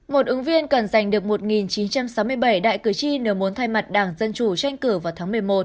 một ứng viên cần giành được một chín trăm sáu mươi bảy đại cử tri nếu muốn thay mặt đảng dân chủ tranh cử vào tháng một mươi một